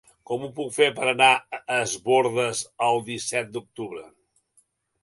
Com ho puc fer per anar a Es Bòrdes el disset d'octubre?